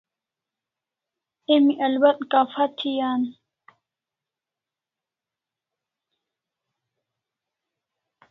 Emi albat kapha thi an